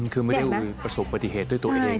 คือไม่ได้ประสบปฏิเหตุด้วยตัวเอง